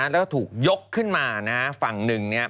แล้วก็ถูกยกขึ้นมาฝั่งหนึ่ง